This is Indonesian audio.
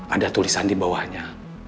ada tulisan di bawahnya